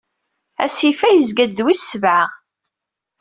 Asif-a, yezga-d d wis sebɛa.